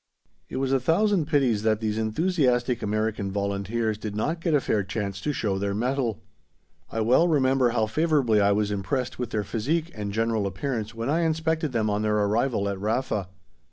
It was a thousand pities that these enthusiastic American volunteers did not get a fair chance to show their mettle. I well remember how favourably I was impressed with their physique and general appearance when I inspected them on their arrival at Rafa.